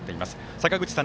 坂口さん